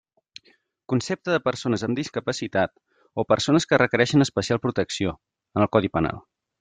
Concepte de persones amb discapacitat o persones que requereixen especial protecció, en el Codi Penal.